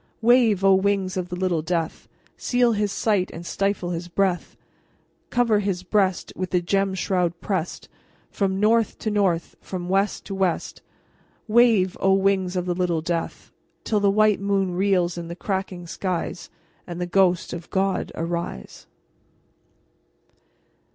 Wave, O wings of the Little Death! Seal his sight and stifle his breath, Cover his breast with the gemmed shroud pressed; From north to north, from west to west, Wave, O wings of the Little Death! Till the white moon reels in the cracking skies, And the ghosts of God arise.